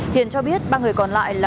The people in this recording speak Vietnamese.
hiền cho biết ba người còn lại là